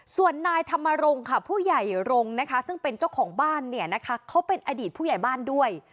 ส่วนนายธรรมรงค์ค่ะผู้ใหญ่รงค์นะคะซึ่งเป็นเจ้าของบ้านเนี่ยนะคะเขาเป็นอดีตผู้ใหญ่บ้านด้วย